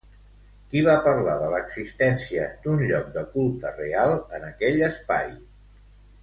Qui va parlar de l'existència d'un lloc de culte real en aquell espai?